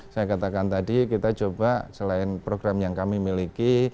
saya katakan tadi kita coba selain program yang kami miliki